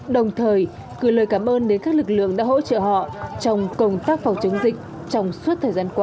đồng thời cử lời cảm ơn đến các lực lượng đã hỗ trợ họ trong công tác phòng chống dịch trong suốt thời gian qua